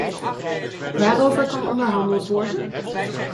Waarover kan onderhandeld worden?